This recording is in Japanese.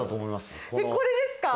これですか？